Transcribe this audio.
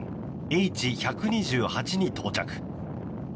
Ｈ１２８に到着。